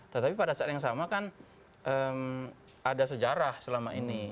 tetapi pada saat yang sama kan ada sejarah selama ini